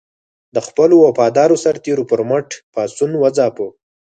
د خپلو وفادارو سرتېرو پر مټ پاڅون وځپه.